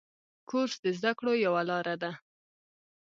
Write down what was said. کورس د زده کړو یوه لاره ده.